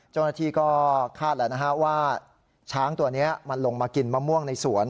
เจ้าหน้าที่ก็คาดแล้วนะฮะว่าช้างตัวนี้มันลงมากินมะม่วงในสวน